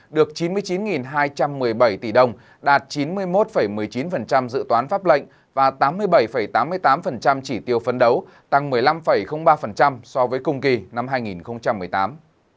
được chín mươi chín hai trăm một mươi bảy tỷ đồng đạt chín mươi một một mươi chín dự toán pháp lệnh và tám mươi bảy tám mươi tám chỉ tiêu phấn đấu tăng một mươi năm ba so với cùng kỳ năm hai nghìn một mươi tám